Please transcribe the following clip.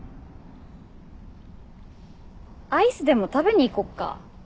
アイスでも食べにいこっか。